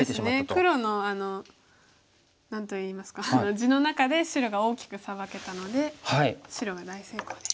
黒の何と言いますか地の中で白が大きくサバけたので白が大成功です。